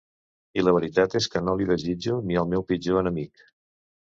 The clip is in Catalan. I la veritat és que no l'hi desitjo ni al meu pitjor enemic.